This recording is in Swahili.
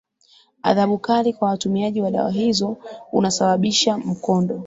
adhabu kali kwa watumiaji wa dawa hizo unasababisha mkondo